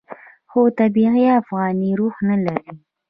خو طبیعي افغاني روح نه لري.